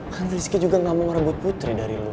kan rizky juga gak mau ngerbut putri dari lo